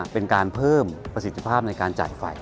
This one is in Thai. เป็นการเพิ่มประสิทธิภาพในการจ่ายไฟ